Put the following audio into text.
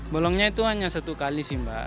bolongnya itu hanya satu kali sih mbak